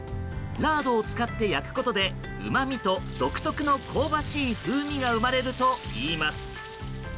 ラードを使って焼くことでうまみと独特の香ばしい風味が生まれるといいます。